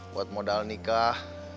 buat modal nikah